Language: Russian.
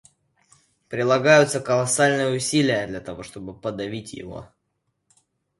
Прилагаются колоссальные усилия, для того чтобы подавить его.